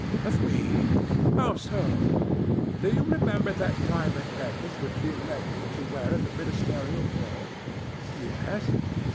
"Of me! How so?" "Do you remember that diamond necklace which you lent me to wear at the ministerial ball?" "Yes.